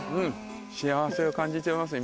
幸せを感じてます